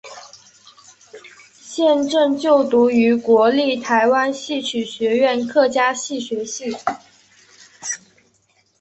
现正就读于国立台湾戏曲学院客家戏学系。